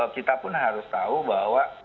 kita pun harus tahu bahwa